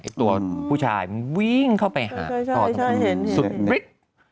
ไอ้ตัวผู้ชายมันวิ่งเข้าไปหาพอตรงนี้สุดทริก